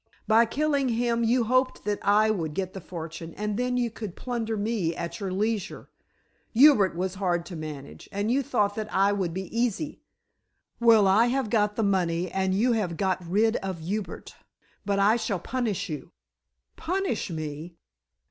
By killing him you hoped that I would get the fortune and then you could plunder me at your leisure. Hubert was hard to manage, and you thought that I would be easy. Well, I have got the money and you have got rid of Hubert. But I shall punish you." "Punish me?"